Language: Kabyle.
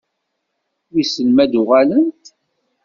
Wissen ma ad-uɣalent?